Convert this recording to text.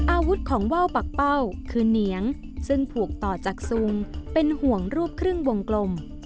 อาวุธของว่าวปากเป้าคือเหนียงซึ่งผูกต่อจากซุงเป็นห่วงรูปครึ่งวงกลม